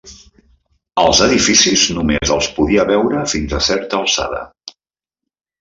Els edificis només els podia veure fins a certa alçada